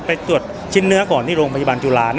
ไปตรวจชิ้นเนื้อก่อนที่โรงพยาบาลจุฬา